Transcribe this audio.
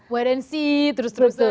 warrancy terus terusan ya